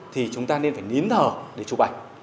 thì chúng ta nên phải nín thở để chụp ảnh